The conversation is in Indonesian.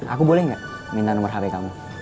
aku boleh nggak minta nomor hp kamu